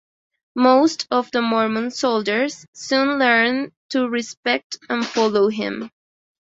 Most of the Mormon soldiers soon learned to respect and follow him.